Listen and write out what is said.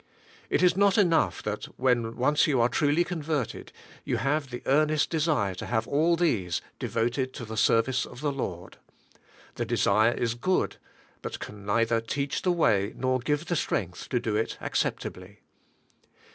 It is not enough that, FORSAKING ALL FOR HIM, 126 when once you are truly converted, you have the earnest desire to have all these devoted to the service of the Lord. The desire is good, but can neither teach the way nor give the strength to do it accept ably.